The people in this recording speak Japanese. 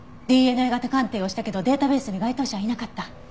ＤＮＡ型鑑定をしたけどデータベースに該当者はいなかった。